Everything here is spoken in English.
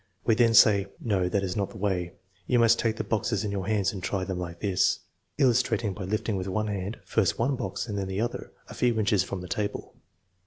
We then say: "No, that is not the way. You must take the boxes in your hands and try them, like this " (illustrating by lifting with one hand, first one box and then the other, a few inches from the table).